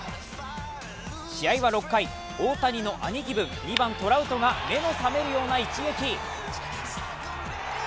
試合は６回、大谷の兄貴分、２番・トラウトが目の覚めるような一撃。